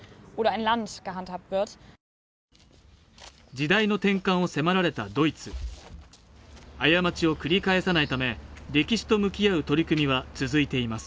時代の転換を迫られたドイツ過ちを繰り返さないため歴史と向き合う取り組みは続いています